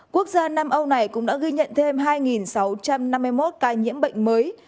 quốc gia nam âu này cũng đã ghi nhận thêm hai sáu trăm năm mươi một ca nhiễm bệnh mới